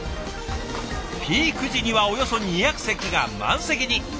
ピーク時にはおよそ２００席が満席に。